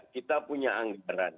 kita punya anggaran